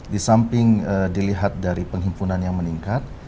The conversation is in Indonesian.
di samping dilihat dari penghimpunan yang meningkat